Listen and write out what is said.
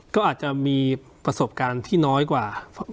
ก็อาจจะมีประสบการณ์ที่น้อยกว่า